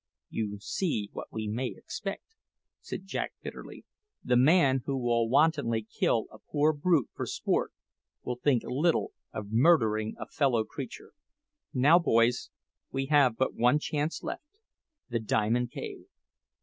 "You see what we may expect," said Jack bitterly. "The man who will wantonly kill a poor brute for sport will think little of murdering a fellow creature. Now, boys, we have but one chance left the Diamond Cave."